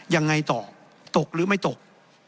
ยังไงต่อตกหรือไม่ตก